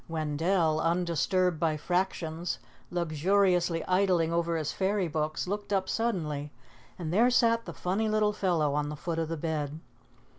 Wendell, undisturbed by fractions, luxuriously idling over his fairy books, looked up suddenly and there sat the funny little fellow on the foot of the bed.